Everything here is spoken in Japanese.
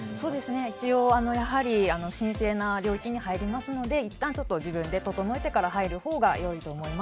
一応、神聖な領域に入りますのでいったん、自分で整えてから入るほうが良いと思います。